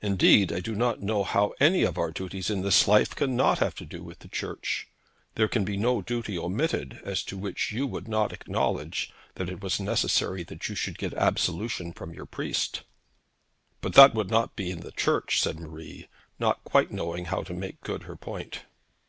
Indeed I do not know how any of our duties in this life cannot have to do with the Church. There can be no duty omitted as to which you would not acknowledge that it was necessary that you should get absolution from your priest.' 'But that would be in the church,' said Marie, not quite knowing how to make good her point.